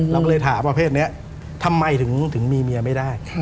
เราก็เลยถามประเภทนี้ทำไมถึงมีเมียไม่ได้